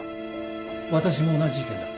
私も同じ意見だ。